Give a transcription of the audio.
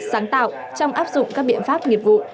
sáng tạo trong áp dụng các biện pháp nghiệp vụ